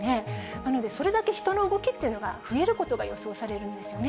なので、それだけ人の動きっていうのが増えることが予想されるんですよね。